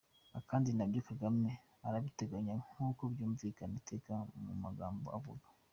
Kandi nabyo Kagame arabiteganya nk’uko byumvikana iteka mu magambo avuga.